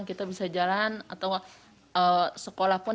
kita bisa jalan atau sekolah pun